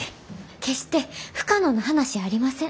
決して不可能な話やありません。